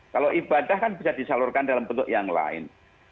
kalau ibadah kan bisa disalurkan dalam bentuk yang lain